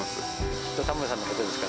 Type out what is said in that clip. きっと田村さんのことですか